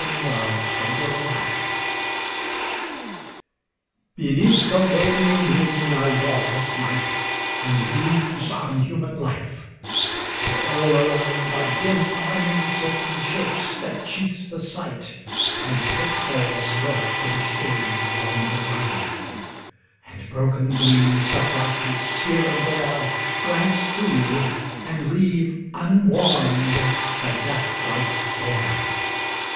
THE JOURNEY OF LIFE. Beneath the waning moon I walk at night, And muse on human life for all around Are dim uncertain shapes that cheat the sight, And pitfalls lurk in shade along the ground, And broken gleams of brightness, here and there, Glance through, and leave unwarmed the death like air.